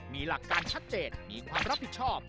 มีหลักการชัดเจนมีความรับผิดชอบ